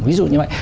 ví dụ như vậy